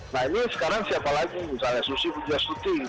nah ini sekarang siapa lagi misalnya susi pujastuti